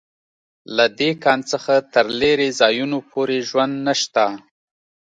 له دې کان څخه تر لېرې ځایونو پورې ژوند نشته